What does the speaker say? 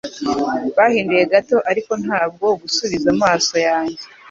Bahinduye gato, ariko ntabwo gusubiza amaso yanjye.